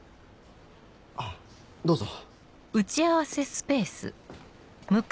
あぁどうぞ。